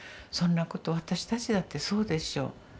そんなこと私たちだってそうでしょう。